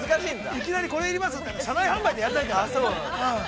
◆いきなり、これ要ります？って車内販売でやんないから。